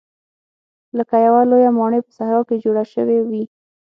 لکه یوه لویه ماڼۍ په صحرا کې جوړه شوې وي.